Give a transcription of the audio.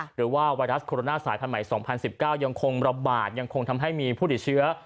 หรือว่าไวรัสโคโรนาสายพันธุใหม่๒๐๑๙ยังคงระบาดยังคงทำให้มีผู้ติดเชื้อ